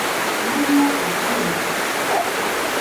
Nemobɨ jiroitɨkue.